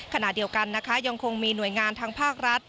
ขณะเดียวกันนะคะยังคงมีหน่วยงานทางภาครัฐ